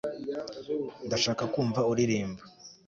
ndashaka kumva uririmba